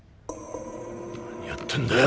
何やってんだよ！